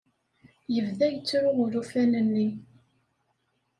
Yebda yettru ulufan-nni.